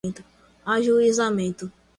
ajuizamento